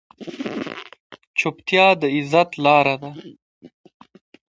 چپتیا، د عزت لاره ده.